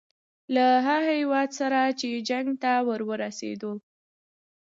له هغه هیواد سره چې جنګ ته ورسېدو.